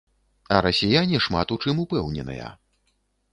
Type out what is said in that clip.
А расіяне шмат у чым упэўненыя.